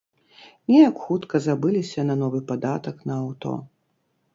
Неяк хутка забыліся на новы падатак на аўто.